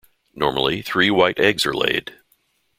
Normally, three white eggs are laid.